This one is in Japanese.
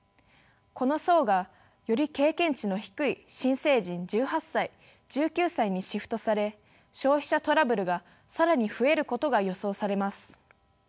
この層がより経験値の低い新成人１８歳１９歳にシフトされ消費者トラブルが更に増えることが予想されます。